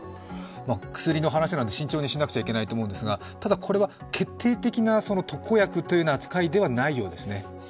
薬の話なんで慎重にしなくちゃいけないと思うんですがただこれは決定的な特効薬という扱いではないようですね。